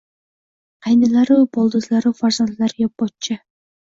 Qaynilaru boldizlaru farzandlariga – pochcha